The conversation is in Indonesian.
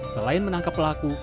selain menangkap pelaku